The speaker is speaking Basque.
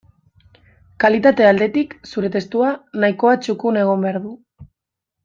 Kalitate aldetik, zure testua nahikoa txukun egon behar du.